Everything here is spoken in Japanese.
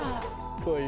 こういう。